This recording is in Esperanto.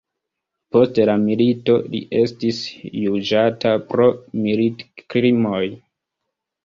Post la milito li estis juĝata pro militkrimoj.